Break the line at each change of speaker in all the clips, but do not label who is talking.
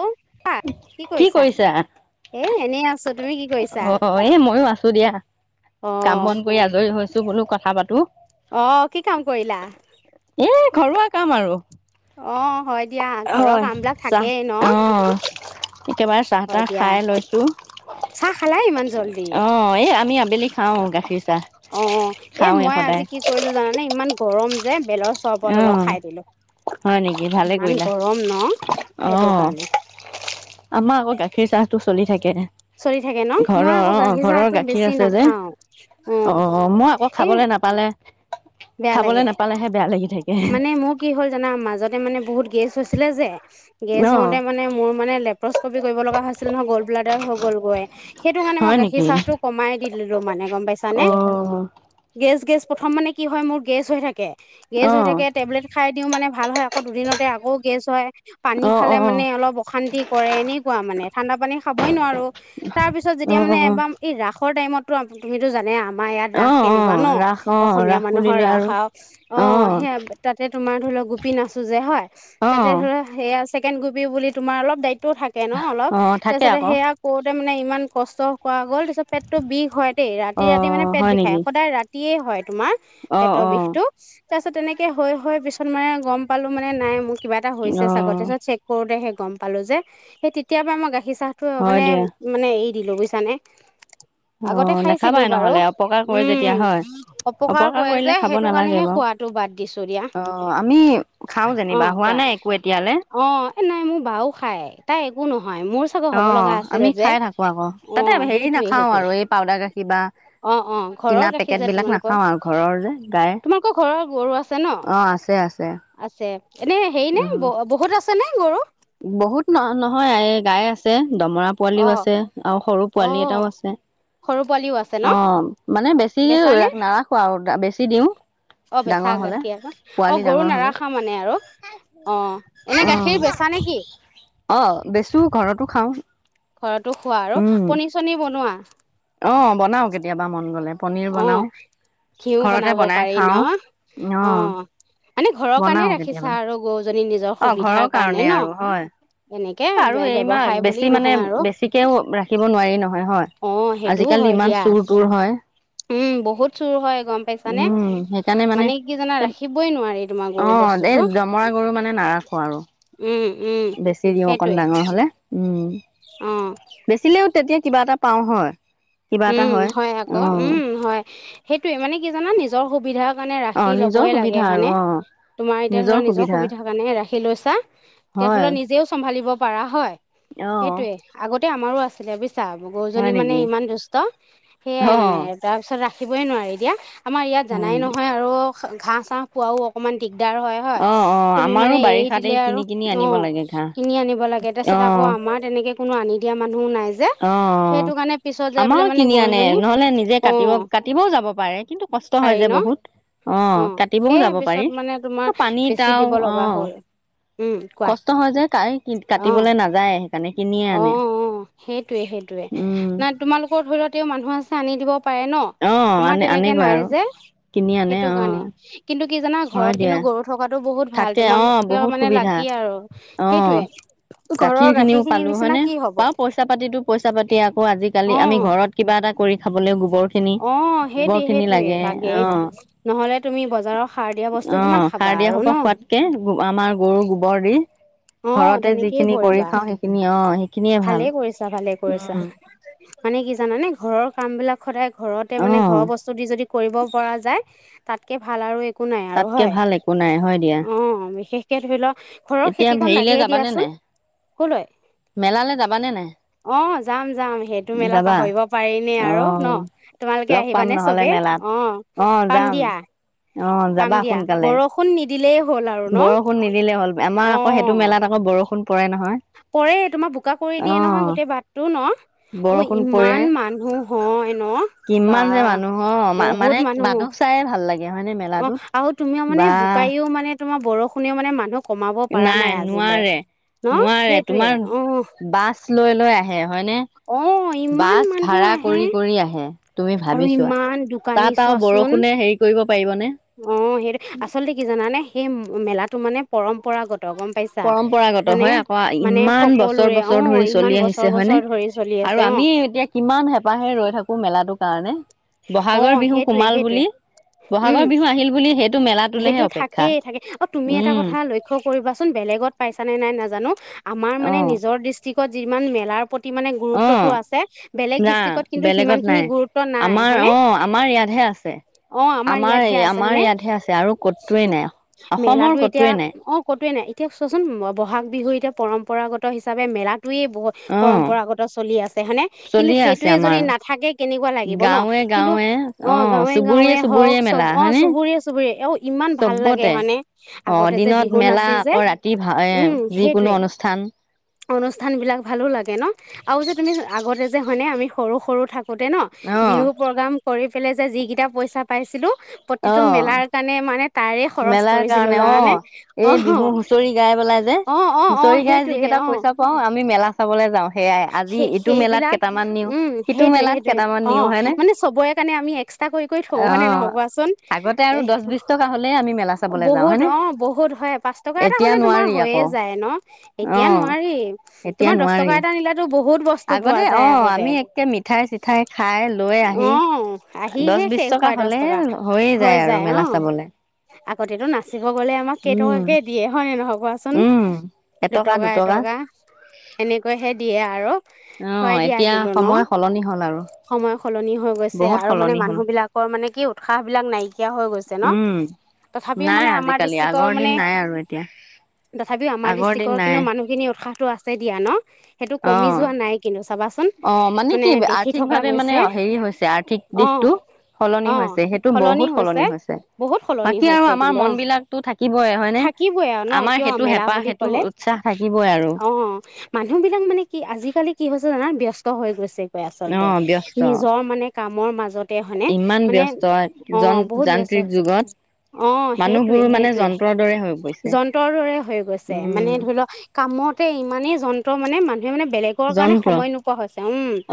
অ ', কোৱা কি কৰিছা এ এনেই আছো।
অ ', এ মইয়ো আছো দিয়া কাম বন কৰি আজৰি হৈছো বোলো কথা পাতো।
অ ', কি কাম কৰিলা?
ঘৰুৱা কাম আৰু?
অ ', হয় দিয়া ঘৰৰ কাম বিলাক থাকেই ন?
একেবাৰে চাহ তাহ খাই লৈছোঁ অ ', এই আমি আবেলি খাওঁ গাখীৰ
অ', এ মই আজি কি কৰিলো জানানে ইমান গৰম যে যে বেলৰ চৰবত অলপ খাই দিলো।
হয় নেকি ভালে কৰিলা অ', আমাৰ আকৌ গাখীৰ চাহটো চলি থাকে কেনে
চলি থাকে ন মই আকৌ গাখীৰ চাহটো বেছি নাখাও অ ', এই
খাবলে নাপালেহে বেয়া লাগি থাকে।
জানা মাজতে মানে বহুত গেষ্ট হৈছিলে যে গেছ হওঁতে মানে মোৰ মানে লেকপ্ৰস্পি কৰিব লগা হৈছিল নহ গ'ল ব্লাডাৰ হৈ গ'ল। গৈয়েই। সেইটো কাৰণে মই গাখীৰ চাহটো কমাই দি দিলো মানে গম পাইছা নে গেছ গেছ প্ৰথম মানে কি হয় মোৰ গেষ্ট হৈ থাকে। গেছ হৈ থাকে টেবলেট খাই দিওঁ মানে ভাল হয়। আকৌ দুদিনতে আকৌ গেছ হয় পানী খালে মানে অলপ অশান্তি কৰে এনেকুৱা মানে। ঠাণ্ডা পানী খাবই নোৱাৰো। তাৰ পিছত যেতিয়া মানে এবাৰ এই ৰাসৰ টাইমত। তুমিটো জানে আৰু। আমাৰ ইয়াত ৰাস কেনেকুৱা ন। অসমীয়া মানুহৰ ৰাসা অ', সেই তাতে। তোমাৰ ধৰি লওক গোপী নাছো যে হয়। তাতে ধৰা সেয়া আছে। চেকেন গোবি বুলি তোমাৰ অলপ দায়িত্ব টো থাকে ন অলপ তাৰপিছতে সেয়া ক'ত। মানে ইমান কষ্ট হোৱা। গ'ল পিত পেটতটো বিষ হয় দেই ৰাতি ৰাতি মানে পেট বিষায় সদায় ৰাতি। ৰাতি হয়। তোমাৰ পেটৰ বিষটো। তাৰ পিছত তেনেকে হৈ হৈ পিছত মানে গম। পালো মানে নাই মোৰ কিবা এটা হৈছে ছাগততে চেক কৰোঁ দে গম পালো যে সেই তেতিয় পৰা মই গাখীৰ চাহটো মানে এৰি দিলো। দিলো বুজিছানে। আগতে খাইছিলো বাৰু উ'ম
অপকাৰ কৰিলে খাব নালাগে বাৰু অ', আমি খাওঁ যেনিবা হোৱা নাই একো এতিয়ালে।
এ নাই মোৰ বাও খাই তাই একো নহয়।
অ আমি খাই থাকো আকৌ তাতে হেৰি নাখাও আৰু এই পাউদাৰ গাখীৰ বা কিনা পেকেট বিলাক নাখাও আৰু
তোমালোকৰ ঘৰৰ গৰু আছে ন আছে এনে হেৰি নে ব বহুতক আছে নে গৰু
বহুত ন নহয় গাই আছে দমৰা পোৱালিও আছে আৰু সৰু পোৱালি এটাও আছে অ মানে বেছি নাৰাখো আৰু বেছি দিওঁ ডাঙৰ হলে পোৱালি ডাঙৰ হলে অ অ বেচো ঘৰতো খাওঁ
ঘৰতো খোৱা আৰু পনী চনি বনোৱা অ ঘিউ বনাব পাৰি ন অ মানে ঘৰৰ কাৰণে ৰাখিছা আৰু গৰু
অ ঘৰৰ কাৰণে আৰু হয় আৰু এইমাহ বেছি মানে বেছিকেও ৰাখিব নোৱাৰি নহয়
অ সেইটোও হয় দিয়া উম বহুত চুৰ হয় গম পাইছানে মানে কি জানা ৰাখিবই নোৱাৰি তোমাৰ গৰুৰ বস্তুটো উম
বেছি দিওঁ অকন ডাঙৰ হলে উম
অ
কিবা এটা পাওঁ হয়
উম হয় আকৌ উম হয় সেইটোয়ে মানে কি জানা নিজৰ সুবিধা কাৰণে মানে ৰাখি লবই লাগে হয়নে তোমাৰ এতিয়া নিজৰ সুবিধা কাৰণে ৰাখি লৈছা এতিয়া ধৰি লও নিজেও চম্ভালিব পৰা হয় সেইটোৱে আগতে আমাৰো আছিলে গৰুজনী মানে ইমান দুষ্ট সেইয়াই মানে তাৰপিছত ৰাখিবই নোৱাৰি দিয়া আমাৰ ইয়াত জানাই নহয় আৰু ঘাঁহ চাঁহ খোৱাও অকণমান দিগদাৰ দিগদাৰ হয় হয় তুমি মানে এৰি দিলে আৰু অ কিনি আনিব লাগে তাৰপিছত আকৌ আমাৰ তেনেকে কোনো আনি দিয়া মানুহো নাই সেইটো কাৰণে পিছত
আমাৰো কিনি আনে নহলে নিজে কাটিব কাটিবও যাব পাৰে কিন্তু কষ্ট হয় যে বহুত অ কাটিবও যাব পাৰি পানীত অ কষ্ট হয় যে কাটিবলৈ নাযায় সেইকাৰণে কিনি আনে
সেইটোৱে নে তোমালোকৰ ধৰি লও মানুহ আছে আনি দিব ন আমাৰ তেনেকে নাই যে সেইটো কাৰণে কিন্তু কি জানা ঘৰত কিন্তু গৰু থকাতটো বহুত ভাল তোমালোকেও মানে লাকি আৰু সেইটোয়ে ঘৰৰ গাখীৰ
পালো হয় নে পা পইচা পাতি পইচা পাতি আকৌ আজিকালি আমি ঘৰত কিবা এটা কৰি খাবলৈ
অ সেইটোৱে সেইটোৱে লাগে নহলে তুমি বজাৰৰ সাৰ দিয়া বস্তু কিমান খাবা আৰু ন
সোৱাতকে আমাৰ গৰু গোবৰ দি
অ তেনেকেই কৰিবা ভালে কৰিছা ভালে কৰিছা মানে কি জানানে ঘৰৰ কাম বিলাক সদায় ঘৰতে মানে ঘৰৰ বস্তু দি যদি কৰিব পৰা যায় তাতকৈ ভাল আৰু একো নাই আৰু হয় অ বিশেষকে ধৰি লওক ঘৰৰ খে লাগেই দিয়াচোন কলৈ আহ যাম যাম সেইটো মেলা পাহৰিব পাৰিনে আৰু ন তোমালোকে আহিবানে চবে অ পাম দিয়া পাম দিয়া বৰষুণ নিদিলেই হ'ল আৰু ন
আকৌ সেইটো মেলা- ৰষুণ।
পৰেই তোমাৰ, বোকা কৰি দিয়ে নহয় গোটেই বাটটো ন, অ' ইমান মানুহ হয় ন বা বহুত মানুহ। অ' আৰু তুমিও মানে বোকাইও মানে তোমাৰ বৰষুণেও মানে মানুহক
নাই নোৱাৰে। নোৱাৰে তোমাৰ বাছ লৈ লৈ আহে। হয় নে? বাছ ভাড়া কৰি কৰি আহে তুমি ভাবি ছোৱা তাত আৰু বৰষুণে হেৰি কৰিব
অ' সেইটো আচলতে কি জানানে সেই মেলাত মানে পৰম্পৰাগত।
পৰম্পৰাগত হয় আকৌ ইমান বছৰ বছৰ ধৰি চলি আহিছে হয়নে আৰু আমি এতিয়া কিমান হেঁপাহে ৰৈ থাকো মেলাটোক। [unintelligible]
অ' সেইটোৱে সেইটোৱে। উম, সেইটো থাকেই থাকে আৰু তুমি এটা কথা লক্ষ্য কৰিবাচোন বেলেগত পাইছা নে নাই নাজানো। আমাৰ মানে নিজৰ দৃষ্টিক যিমান মেলাৰ প্ৰতি প্ৰতি মানে গুৰুত্বটোআছে বেলেগ ডিষ্ট্ৰিক্টত কিন্তু সিমান খিনি গুৰুত্ব নাই।
অ' আমাৰ ইয়াতহে আছে আমাৰ আমাৰ ইয়াতহে আছে আৰু কতোৱে নাই অসমৰ কতোৱে নাই।
একোৱে নাই এতিয়া চোৱাচোন বহাগ বিহু এতিয়া পৰম্পৰাগত হিচাপে মেলাত [unintelligible] পৰম্পৰাগত চলি আছে হয়নে, কিন্তু সেইটোয়ে যদি নাথাকে কেনেকুৱা লাগিব ন। কিন্তু অ' গাঁৱে গাঁৱে হওক চব অ' চুবুৰ চুবুৰ অ' ইমান ভাল লাগে মানে আগতে যে বিহু নাচি যে উম সেইটোৱে। অনুষ্ঠান বিলাক ভালো লাগে ন আৰু যে তুমি আগতে যে হয়নে আমি সৰু সৰু থাকো [unintelligible] ন বিহু কৰি পেলে যে যিকেইটা পইচা পাইছিলো প্ৰতিটো মেলাৰ কাৰণে মানে
মেলাৰ কাৰণে অ' এই বিহু হুঁচৰি গাই পেলাই যে হুচৰি গাই যিকেইটা পইচা পাও আমি মেলা চাবলে যাওঁ।
সেই সেইবিলাক উম সেইটোয়ে সেইটোয়ে অ' মানে চবৰে কাৰণে আমি এক্সট্ৰা কৰি কৰি থওঁ হয়নে নহয় কোৱাচোন। বহুত অ' বহুত হয় পাঁচ টকা এটা হ'লে তোমাৰ হৈয়ে যায় ন। এতিয়া নোৱাৰি তোমাৰ দহ টকা এ- [unintelligible] [unintelligible] বহুত বস্তু পোৱা যায় আগতে। অ' আহিহে শেষ হয় দশ টকা হৈ যায় অ' আগতেতটো নাচিব গলে আমাক কেইটকাকে দিয়ে হয়নে নহয় কোৱাচোন দুটকা এটকা এনেক দিয়ে আৰু হয় দিয়া কিন্তু ন সময় সলনি হৈ গৈছে আৰু মানে মানুহ বিলাকৰ মানে কি উৎসাহ বিলাক নাইকিয়া হৈ গৈছে ন তথাপিও মানে আমাৰ ডিষ্ট্ৰিকৰ মানে তথাপিও আমাৰ ডিষ্ট্ৰকৰ কিন্তু মানুহখিনি উৎসাহটো আছে দিয়া ন সেইটো কমি যোৱা নাই নাই কিন্তু
অ মানে কি আৰ্থিকভাৱে মানে হেৰি হৈছে আৰ্থিক দিশটো সলনি হৈছে সেইটো বহুত সলনি হৈছে বাকী আৰু আমাৰ মন বিলাকতো থাকিবই হয়নে আমাৰ সেইটো হেঁপাহ সেইটো উৎসাহ থাকিবই আৰু
এইবিলাক মানে কি আজিকালি কি হৈছে জানা ব্যস্ত হৈ গৈছে আচলতে নিজৰ মানে কামৰ মাজতে হয়নে মানে অ বহুত ব্যস্ত হৈছে অ সেইটয়ে সেইটোৱে যন্ত্ৰৰ দৰে হৈ গৈছে মানে ধৰি লও কামতে ইমানেই যন্ত্ৰ মানে মানে
যন্ত্ৰ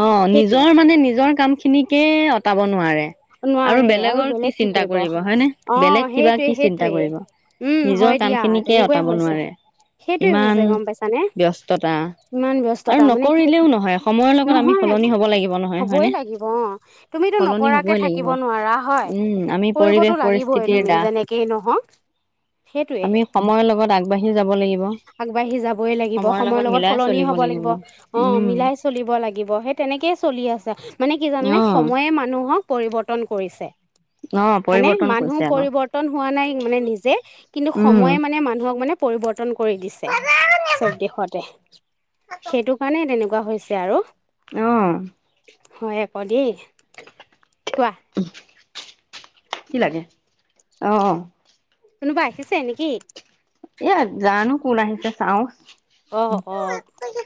অ নিজৰ মানে নিজৰ কাম খিনিকে [unintelligible] নোৱাৰে
নোৱাৰে আৰু বেলেগ কি কৰিব অ সেইটয়ে সেইটয়ে উম হয় দিয়া তেনেকুৱাই হৈছে সেইটোোৱে হৈছে গম পাইছানে ইমান বস্ত
আৰু নকৰিলেও নহয় সময়ৰ লগত আমি সলনি হব লাগিব নহয় হয়নে সলনি হ'ব উম আমি পৰিৱেশ পৰিস্থিতিৰ দাস আমি সময়ৰ লগত আগবাঢ়ি যাব লাগিব
আগবাঢ়ি যাবই লাগিব সময়ৰ লগত সলনি হব লাগিব অ মিলাই চলিব লাগিব সেই তেনেকেই চলি আছে মানে কি জানে সময়ে মানুহৰ পৰিৱৰ্তন কৰিছে হায়নে মানুহ পৰিৱৰ্তন হোৱা নাই মানে নিজে কিন্তু সময়ে মানে মানুহক মানে পৰিৱৰ্তন কৰি দিছে চব দেশতে সেইটো কাৰণে তেনেকুৱা তেনেকুৱা হৈছে আৰু
আহ
হয় আকৌ দেই কোৱা
কি লাগে আহ
কোনোবা আহিছে নেকি
ই জানো কোন আহিচে চাওঁ [unintelligible]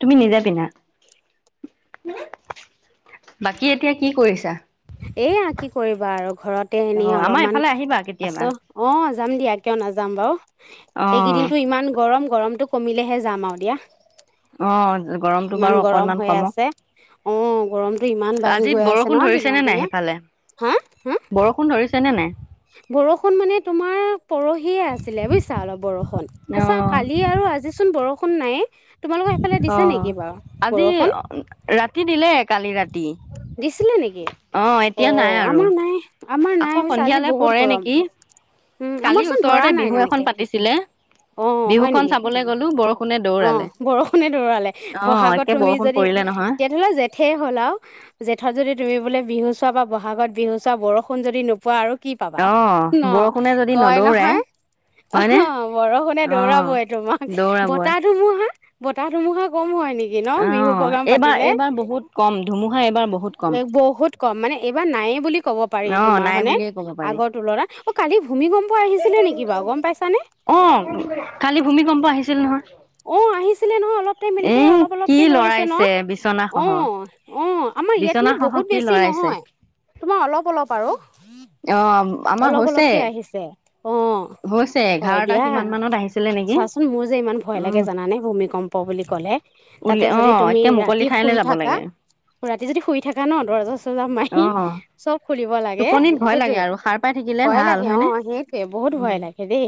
তুমি নিজে পিন্ধা বাকী এতিয়া কি কৰিছা
এয়া কি কৰিবা আৰু ঘৰতে এনেই অলপমান আছো অ। যাম দিয়া কিয় নাযাম বাৰু এইকেইদিনটো ইমান গৰম গৰমটো কমিলেহে যাম আৰু দিয়া ইমান গৰম হৈ আছে অ গৰমটো ইমান বাঢ়ি গৈ আছে ন দিনক
নাই সেইফালে বৰষুণ ধৰিছিলে হয়নে নাই?
বৰষুণ মানে তোমাৰ পৰহিয়ে আছিলে বুজিছা অলপ বৰষুণ তাৰপিছত কালি আৰু আজি চোন বৰষুণ বৰষুন নাই এ
অ আজি ৰাতি দিলে কালি ৰাতি দি এতিয়া নাই আৰু আকৌ সন্ধিয়ালৈ পৰে নেকি কালি ওচৰতে বিহু এখন পাতিছিলে বিহুখন চাবলৈ গলো বৰষুণ কোনে দৌৰালে
বৰষুণে দৌৰালে বহাগত তুমি যদি তেতিয়ালে জেঠে হ'ল আৰু জেঠৰ যদি তুমি বোলে বিহু চোৱা বা বহাগত বিহু চোৱা বৰষুণ যদি নোপোৱা আৰু কি পাবা ন কয় নহয় অহ বৰষুণে দৌৰাবই তোমাক বত ধুমুহা বতাহ ধুমুহা কম হয়।
অহ এইবাৰ এইবাৰ বহুত কম ধুমুহা এইবাৰ বহুত কম।
কম মানে এইবাৰ নায়েই বুলি ক'ব পাৰি তোমাৰ হয়নে আগৰ তুলনাত অ কালি ভূমিকম্প
অ কালি ভূমিকম্প আহিছে। আহিছিলে নহয়
টম এনেকে অলপ অলপকে লৰিছে ন অ উম আমাৰ ইয়াত কিন্তু বহুত বেছি নহয় তোমাৰ অলপ অলপ আৰু
অহ
অলপ অলপকে আহিছে। অ হয় দিয়া চোৱাচোন মোৰ যে ইমান ভয় লাগে জানানে ভূমিকম্প বুলি কলে তাতে যদি তুমি ৰাতি শুই থাকা ৰাতি যদি শুই থাকা ন দৰজা চৰ্জা মাৰি চব খুলিব লাগে সেইটোৱে ভয়ে লাগে অ সেইটোৱে বহুত সঁচাকেদেই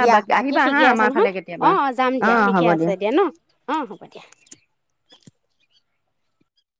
দিয়া বাকী ঠিকে আছে নহয় অ যাম দিয়া ঠিকে আছে দিয়া ন অ হ'ব দিয়া।